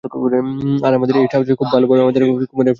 আর আমাদের এই ট্রাউজার খুব ভালোভাবেই আমাদের কোমরের আকৃতি ঢেকে রাখে।